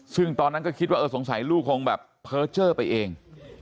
ซึ่งตอนนั้นก็คิดว่าเออสงสัยลูกคงแบบเพอร์เจอร์ไปเอง